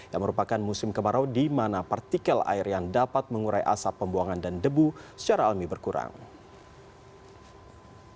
yang merupakan musim kemarau di mana partikel air yang dapat mengurai asap pembuangan dan berhasil menyebabkan kemalangan air